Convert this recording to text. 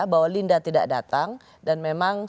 bahwa linda tidak datang dan memang